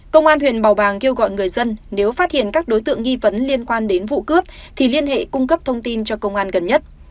công an huyện bảo bàng kêu gọi người dân nếu phát hiện các đối tượng nghi vấn liên quan đến vụ cướp thì liên hệ cung cấp thông tin cho công an gần nhất